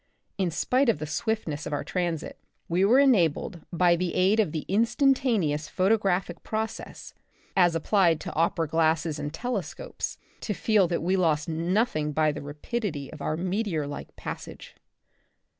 In spite of the swiftness of our transit, we were enabled by the aid of the instantaneous photographic process, as ap plied to opera glasses and telescopes, to feel that we lost nothing by the rapidity of our meteor like passage.